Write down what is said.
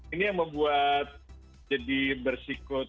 ini yang membuat jadi bersikut